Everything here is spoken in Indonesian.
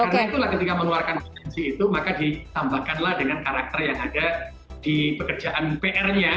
karena itulah ketika mengeluarkan potensi itu maka ditambahkanlah dengan karakter yang ada di pekerjaan prnya